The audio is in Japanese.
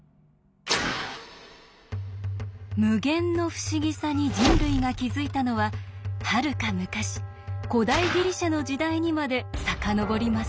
無限の不思議さに人類が気付いたのははるか昔古代ギリシャの時代にまで遡ります。